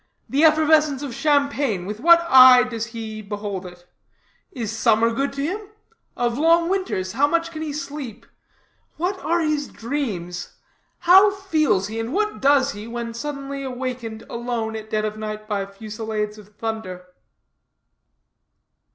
The effervescence of champagne, with what eye does he behold it? Is summer good to him? Of long winters how much can he sleep? What are his dreams? How feels he, and what does he, when suddenly awakened, alone, at dead of night, by fusilades of thunder?"